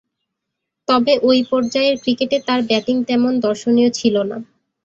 তবে ঐ পর্যায়ের ক্রিকেটে তার ব্যাটিং তেমন দর্শনীয় ছিল না।